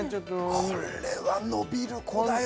これは伸びる子だよ